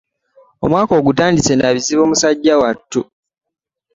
Omwaka ogutandise na bizibu musajja wattu.